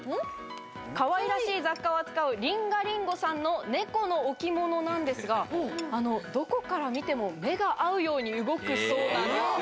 可愛らしい雑貨を扱うリンガリンゴさんのネコの置き物なんですが、どこから見ても目が合うように動くそうなんです。